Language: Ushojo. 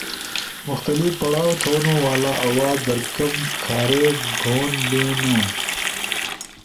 مختلف پڑھاؤ تھونُو والا آواز در کم کھری گہون بیِنُو۔